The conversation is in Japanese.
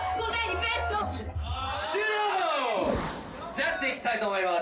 ジャッジいきたいと思います。